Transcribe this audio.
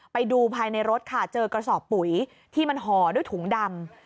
ไปดูภายในรถค่ะเจอกระสอบปุ๋ยที่มันห่อด้วยถุงดำ